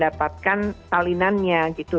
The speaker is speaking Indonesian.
dan dapatkan salinannya gitu